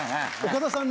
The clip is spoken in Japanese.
岡田さん？